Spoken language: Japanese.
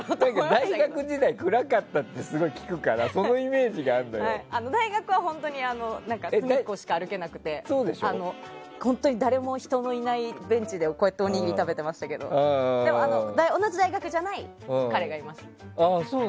大学時代、暗かったってすごい聞くから大学は本当に隅っこしか歩けなくて本当に誰も人のいないベンチでおにぎり食べてましたけどでも、同じ大学じゃない彼がいました。